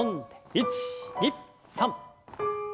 １２３。